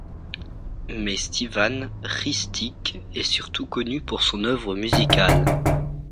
Mais Stevan Hristić est surtout connu pour son œuvre musicale.